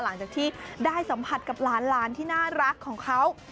หลังจากที่ได้สัมผัสกับหลานที่น่ารักของเขา